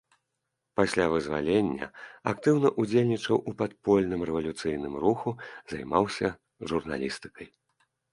Пасля вызвалення актыўна ўдзельнічаў у падпольным рэвалюцыйным руху, займаўся журналістыкай.